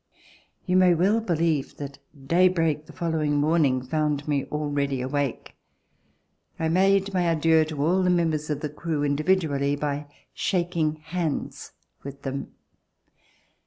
You may well believe that daybreak the following morning found me already awake. I made my adieux to all the members of the crew individually by "shaking hands" with them.